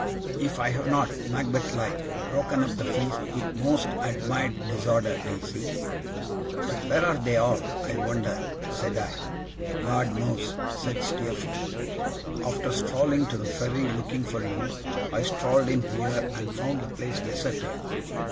If I have not (Macbeth like) broken up the feast with most admired disorder, Daisy.' 'But where are they all, I wonder!' said I. 'God knows,' said Steerforth. 'After strolling to the ferry looking for you, I strolled in here and found the place deserted.